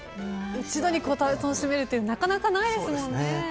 一度に楽しめるというなかなかないですもんね。